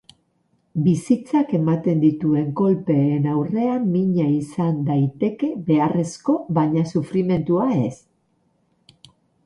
Bizitzak ematen dituen kolpeen aurrean mina izan daiteke beharrezko baina sufrimentua ez.